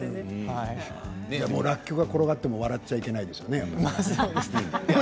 らっきょうが転がっても笑っちゃいけないんですね。